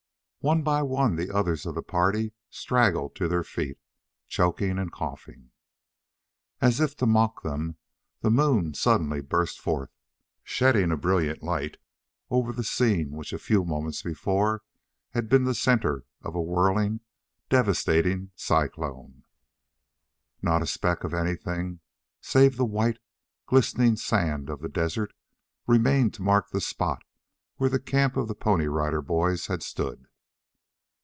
One by one the others of the party straggled to their feet, choking and coughing. As if to mock them, the moon suddenly burst forth, shedding a brilliant light over the scene which a few moments before had been the center of a whirling, devastating cyclone. Not a speck of anything save the white, glistening sand of the desert remained to mark the spot where the camp of the Pony Rider Boys had stood.